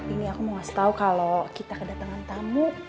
ini aku mau kasih tau kalau kita kedatangan tamu